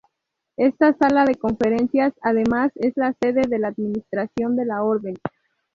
Esta sala de conferencias además es la sede de la administración de la Orden.